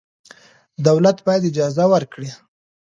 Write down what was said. دولت باید اجازه ورکړي.